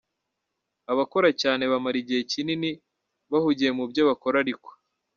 Abakora cyane bamara igihe kinini bahugiye mubyo bakora ariko .